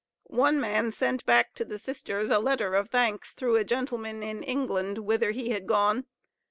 One man sent back to the sisters a letter of thanks, through a gentleman in England, whither he had gone.